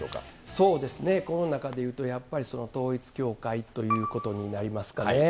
そうですね、この中で言うと、やっぱり統一教会ということになりますかね。